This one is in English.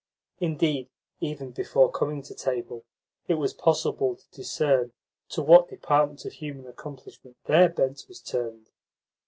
Indeed, even before coming to table, it was possible to discern to what department of human accomplishment their bent was turned.